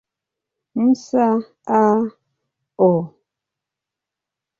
Musa, A. O.